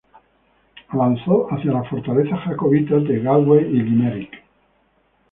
Avanzó hacia las fortalezas jacobitas de Galway y Limerick.